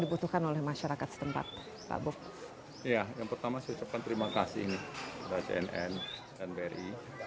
dibutuhkan oleh masyarakat setempat pak bupi iya yang pertama saya ucapkan terima kasih ini